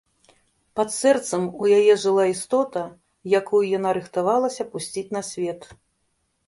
Пад сэрцам у яе жыла істота, якую яна рыхтавалася пусціць на свет.